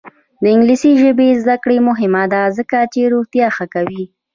د انګلیسي ژبې زده کړه مهمه ده ځکه چې روغتیا ښه کوي.